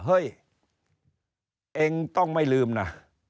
เฮ้ยเองต้องไม่ลืมนะ